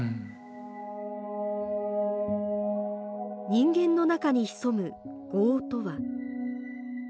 人間の中に潜む業とは。